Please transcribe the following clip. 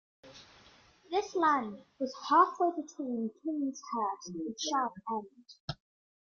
This land was halfway between Kingshurst and Shard End.